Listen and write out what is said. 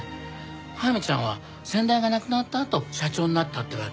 速水ちゃんは先代が亡くなったあと社長になったってわけ。